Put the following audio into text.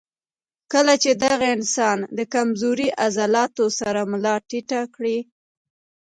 کله چې دغه انسان د کمزوري عضلاتو سره ملا ټېټه کړي